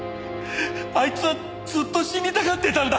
あいつはずっと死にたがってたんだ。